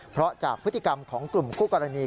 เพราะจากพฤติกรรมของกลุ่มคู่กรณี